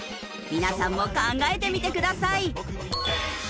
皆さんも考えてみてください。